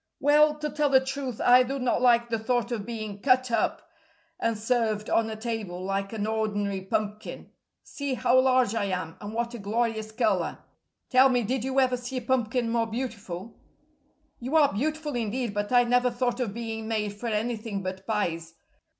"Well, to tell the truth, I do not like the thought of being cut up and served on a table like an ordinary pumpkin. See how large I am, and what a glorious colour. Tell me, did you ever see a pumpkin more beautiful?" "You are beautiful, indeed, but I never thought of being made for anything but pies.